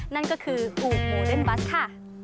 นั่นก็คืออู่โมเดิ้ลบัสค่ะ